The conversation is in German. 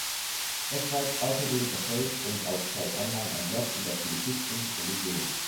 Er schreibt außerdem Essays und auf Zeit Online ein Blog über Politik und Religion.